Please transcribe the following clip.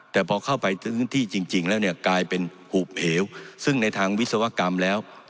แต่พอเข้าไปถึงที่จริงแล้วเนี่ยกลายเป็นหุบเหวซึ่งในทางวิศวกรรมแล้ว